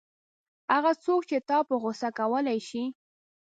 هغه څوک چې تا په غوسه کولای شي.